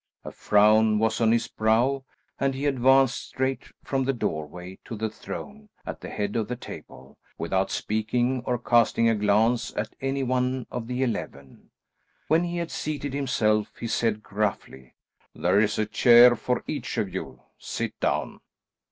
A frown was on his brow, and he advanced straight from the doorway to the throne at the head of the table, without speaking or casting a glance at any one of the eleven. When he had seated himself he said gruffly, "There is a chair for each of you; sit down."